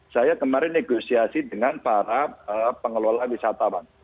saya kemarin negosiasi dengan para pengelola wisatawan